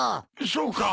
そうか。